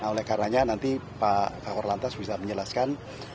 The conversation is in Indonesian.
oleh karenanya nanti pak kakor lantas bisa menjelaskan